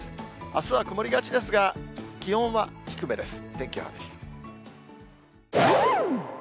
あすは曇りがちですが、気温は低めです。